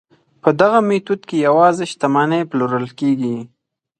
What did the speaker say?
په دغه میتود کې یوازې شتمنۍ پلورل کیږي.